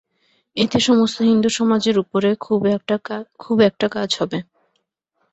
এতে সমস্ত হিন্দুসমাজের উপরে খুব একটা কাজ হবে।